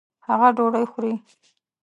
هغه ډوډۍ خوري